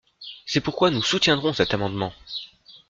C’est pourquoi nous soutiendrons cet amendement.